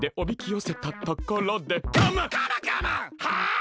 はい！